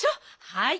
はい。